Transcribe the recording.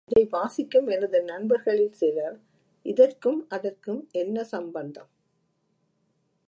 இதை வாசிக்கும் எனது நண்பர்களில் சிலர், இதற்கும் அதற்கும் என்ன சம்பந்தம்?